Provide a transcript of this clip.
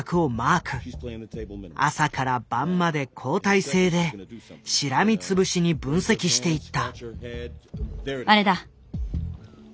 朝から晩まで交代制でしらみつぶしに分析していった。